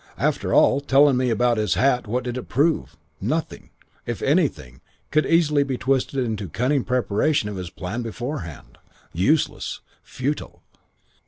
After all, telling me about his hat, what did it prove? Nothing. If anything, easily could be twisted into cunning preparation of his plan beforehand. Useless. Futile.